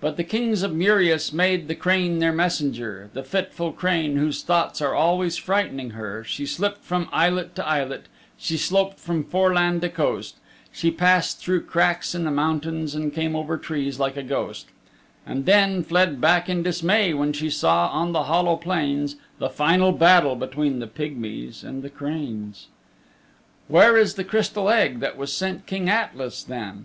But the Kings of Murias made the Crane their messenger The fitful Crane whose thoughts are always frightening her She slipped from Islet to Isle, she sloped from Foreland to Coast; She passed through cracks in the mountains and came over trees like a ghost; And then fled back in dismay when she saw on the hollow plains The final battle between the Pigmies and the Cranes. Where is the Crystal Egg that was sent King Atlas then?